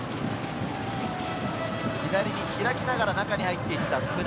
左に開きながら中に入っていた福田。